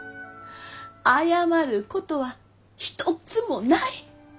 謝ることは一つもない！